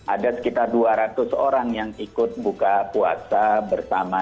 ada sekitar dua ratus orang yang ikut buka puasa bersama